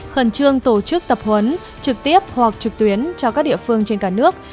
khẩn trương tổ chức tập huấn trực tiếp hoặc trực tuyến cho các địa phương trên cả nước